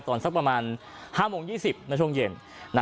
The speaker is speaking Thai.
สักประมาณ๕โมง๒๐ในช่วงเย็น